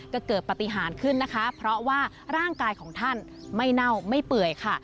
ก็เกิดปฏิหารขึ้นนะคะเพราะว่าร่างกายของท่านไม่เน่าไม่เปื่อยค่ะ